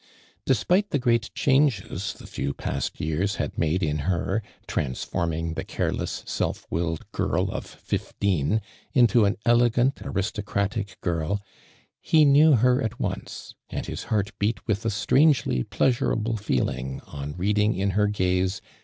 Despite the great changes tiie \(\w past years had mad(i in hei'. transfoiming the careless, self willed child of fifteen, into an elegant, aristocratic gir'.. he knew her at once, and his heart beat with a strangely pleasurable feeling on reatling in her gaze.